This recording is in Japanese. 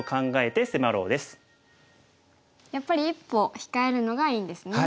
やっぱり一歩控えるのがいいんですね。